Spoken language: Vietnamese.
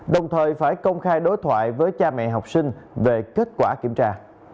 đồng thời phải công khai đối thoại với cha mẹ học sinh về kết quả kiểm tra